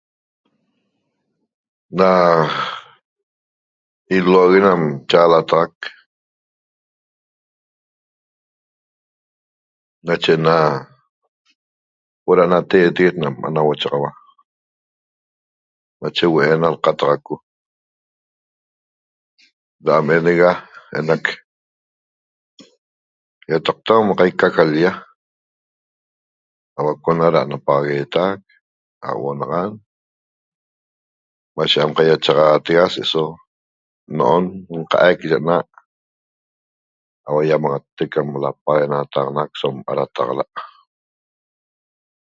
Na ilogue nam chaalataxac nache na huo'o ra nateteguet nam nauochaxaua nache huo'o ana lqataco ra am enega enac iataqta qaica ca l-lla auacona ra ana paxaguetac auo'onaxan mashe am qaiachaxatega se'eso no'on nqaic ye na'aq auaiamaxatec ca napaxaguenataxanaxac so qarataxala'